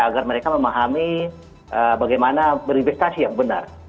agar mereka memahami bagaimana berinvestasi yang benar